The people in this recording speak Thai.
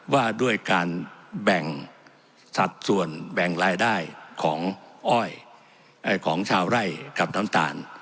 ว่าด้วยการแบ่งสัดส่วนแบ่งรายได้ของอ้อยของชาวไร่กับน้ำตาล